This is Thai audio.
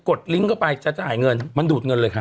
ดลิงก์เข้าไปจะจ่ายเงินมันดูดเงินเลยค่ะ